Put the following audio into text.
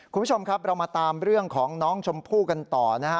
คุณผู้ชมครับเรามาตามเรื่องของน้องชมพู่กันต่อนะฮะ